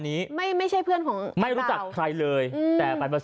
ซีลวียเพื่อนโแลไม่ต้องโลงุทธาบุริยา